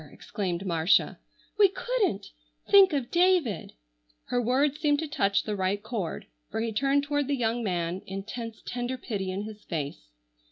exclaimed Marcia, "we couldn't! Think of David." Her words seemed to touch the right chord, for he turned toward the young man, intense, tender pity in his face.